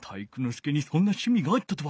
介にそんなしゅみがあったとは！